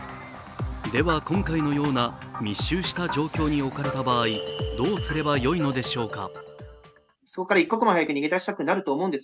では今回のような密集した状況に置かれた場合どのようにすればいいのでしょうか。